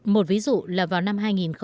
một ví dụ là vào năm hai nghìn một mươi năm